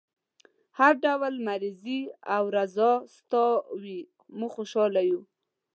هر ډول مرضي او رضای تاسو وي موږ خوشحاله یو.